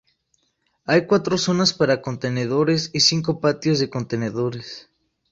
Hay cuatro zonas para contenedores, y cinco patios de contenedores.